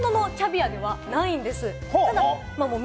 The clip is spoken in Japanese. こちら実は本物のキャビアではないんです。